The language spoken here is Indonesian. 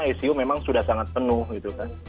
di sana itu memang sudah sangat penuh gitu kang